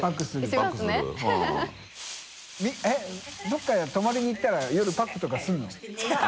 どこか泊まりに行ったら夜パックとかするの？